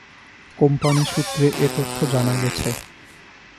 Company সূত্রে এ তথ্য জানা গেছে।